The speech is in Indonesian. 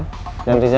putra titip ya